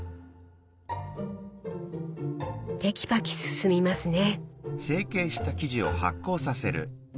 テキパキ進みますね。